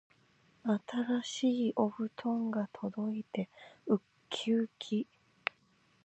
新しいお布団が届いてうっきうき